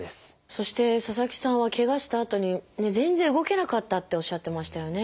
そして佐々木さんはけがしたあとに全然動けなかったっておっしゃってましたよね。